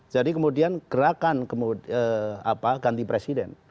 jadi kemudian gerakan ganti presiden